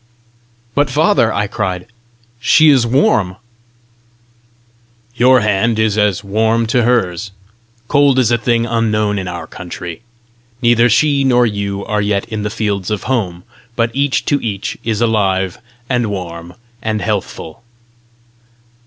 "But, father," I cried, "she is warm!" "Your hand is as warm to hers. Cold is a thing unknown in our country. Neither she nor you are yet in the fields of home, but each to each is alive and warm and healthful."